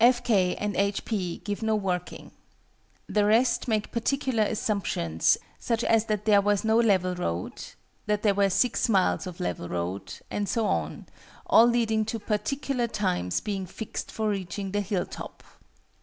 F. K. and H. P. give no working. The rest make particular assumptions, such as that there was no level road that there were 6 miles of level road and so on, all leading to particular times being fixed for reaching the hill top.